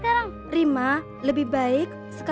apapun yang ada di wilayah kita